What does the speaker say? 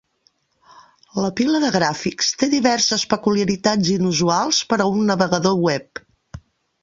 La pila de gràfics té diverses peculiaritats inusuals per a un navegador web.